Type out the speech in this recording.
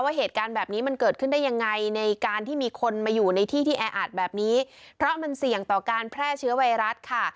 เหตุการณ์แบบนี้มันเกิดขึ้นได้ยังไงในการที่มีคนมาอยู่ในที่ที่แออัดแบบนี้เพราะมันเสี่ยงต่อการแพร่เชื้อไวรัสค่ะ